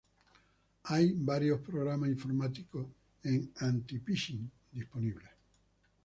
Hay varios programas informáticos "anti-phishing" disponibles.